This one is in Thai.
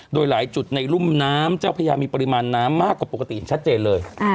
โดยหลายจุดในรุ่มน้ำเจ้าพระยามีปริมาณน้ำมากกว่าปกติอย่างชัดเจนเลย